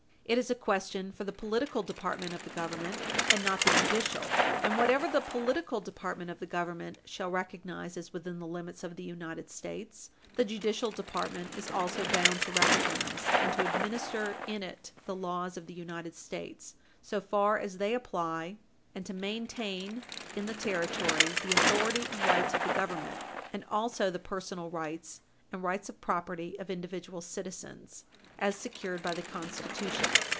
It is a question for the political department of the Government, and not the judicial, and whatever the political department of the Government shall recognise as within the limits of the United States, the judicial department is also bound to recognise and to administer in it the laws of the United States so far as they apply, and to maintain in the Territory the authority and rights of the Government and also the personal rights and rights of property of individual citizens as secured by the Constitution.